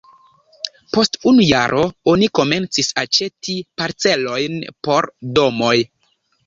Post unu jaro oni komencis aĉeti parcelojn por domoj.